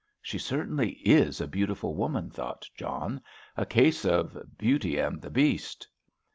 "She certainly is a beautiful woman," thought John. "A case of Beauty and the Beast!"